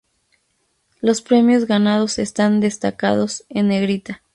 Los premios ganados están destacados en negrita.